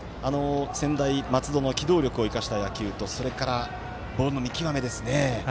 専大松戸の機動力を生かした野球とそれから、ボールの見極めですね。